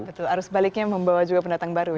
betul arus baliknya membawa juga pendatang baru ya